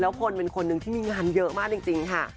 แล้วคนเป็นคนหนึ่งที่มีงานเยอะมากจริงค่ะ